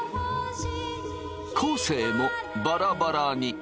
昴生もバラバラに。